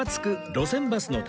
路線バスの旅』